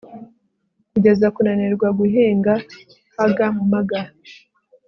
Kugeza kunanirwa guhinga huggermugger